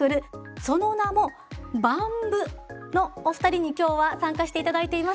その名もＢＡＭ部のお二人に今日は参加していただいています。